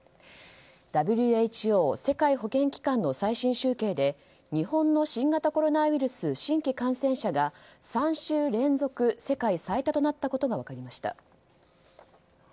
ＷＨＯ・世界保健機関の最新集計で日本の新型コロナウイルス新規感染者が３週連続世界最多となったことが分かりました。